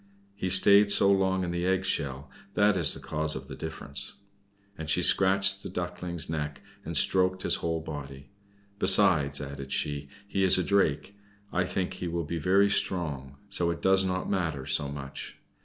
He stayed so long in the egg shell, that is the cause of the difference." And she scratched the Duckling's neck, and stroked his whole body. "Besides," added she, "he is a Drake. I think he will be very strong, so it does not matter so much.